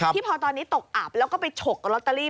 พอตอนนี้ตกอับแล้วก็ไปฉกกับลอตเตอรี่